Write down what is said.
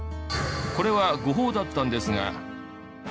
これは誤報だったんですが。